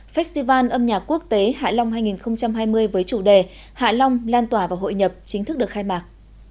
festival âm nhạc quốc tế hạ long hai nghìn hai mươi với chủ đề hạ long lan tỏa và hội nhập chính thức được khai mạc